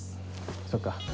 そっか。